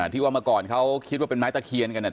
ที่ว่ามาก่อนเขาคิดว่าเป็นไม้ตะเคียนกันเนี่ย